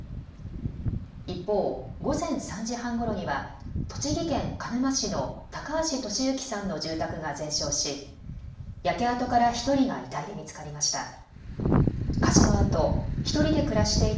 一方、午前３時半ごろには栃木県鹿沼市の高橋利行さんの住宅が全焼し焼け跡から１人が遺体で見つかりました。